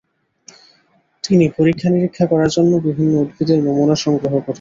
তিনি পরীক্ষানিরীক্ষা করার জন্য বিভিন্ন উদ্ভিদের নমুনা সংগ্রহ করতেন।